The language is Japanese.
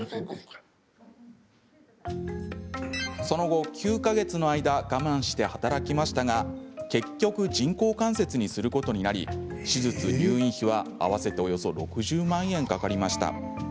その後、９か月の間我慢して働きましたが、結局人工関節にすることになり手術、入院費は、合わせておよそ６０万円かかりました。